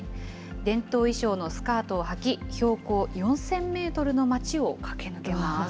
伝統衣装のスカートをはき、標高４０００メートルの街を駆け抜けます。